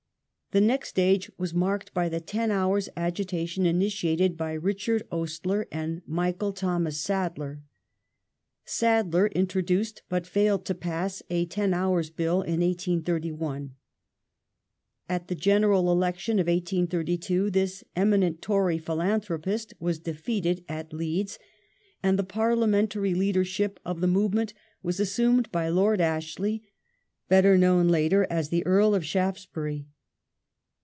The next stage was marked by the ten hours agita tion initiated by Richard Oastler and Michael Thomas Sadler. Sadler introduced, but failed to pass, a ten houi s Bill in 1831. At the General Election of 1832 this eminent Tory philanthropist was defeated at Leeds, and the parliamentary leadership of the movement was assumed by Lord Ashley, better known later as the Earl of Shaftesbury.